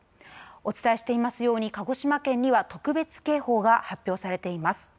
お伝えしていますように鹿児島県には特別警報が発表されています。